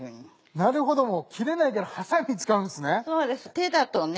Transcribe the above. なるほどもう切れないからハサミ使うんですね。